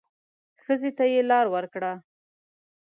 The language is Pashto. ښځې ته يې لار ورکړه.